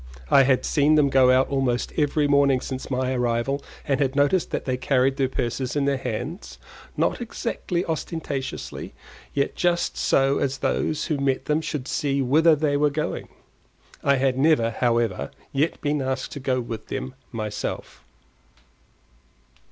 I had seen them go out almost every morning since my arrival and had noticed that they carried their purses in their hands, not exactly ostentatiously, yet just so as that those who met them should see whither they were going. I had never, however, yet been asked to go with them myself.